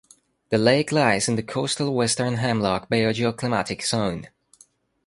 The lake lies in the Coastal Western Hemlock Biogeoclimatic Zone.